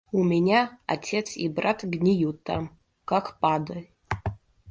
У меня отец и брат гниют там, как падаль.